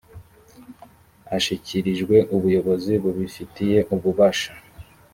ashyikirijwe ubuyobozi bubifitiye ububasha